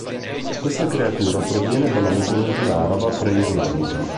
Questa creatura proviene dalla mitologia araba pre-islamica.